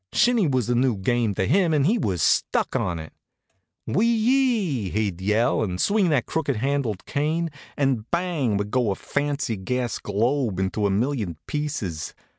Shinny was a new game to him and he was stuck on it. "Whee yee!" he'd yell, and swing that crooked handled cane, and bang would go a fancy gas globe into a million pieces.